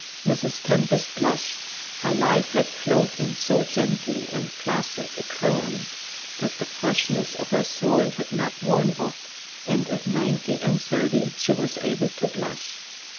Mrs. Tempest blushed. Her life had flowed in so gentle and placid a current, that the freshness of her soul had not worn off, and at nine and thirty she was able to blush.